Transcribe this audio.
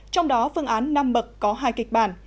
trong đó phương án năm bậc có hai kịch bản